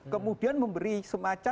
kemudian memberi semacam